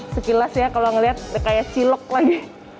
sekilas ya kalau ngeliat kayak cilok lagi